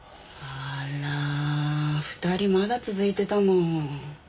あら２人まだ続いてたの。